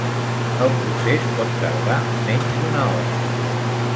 El procés pot tardar menys d'una hora.